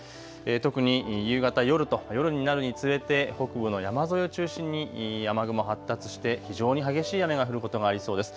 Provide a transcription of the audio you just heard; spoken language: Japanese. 特に夕方、夜と夜になるにつれて北部の山沿いを中心に雨雲、発達して非常に激しい雨が降ることがありそうです。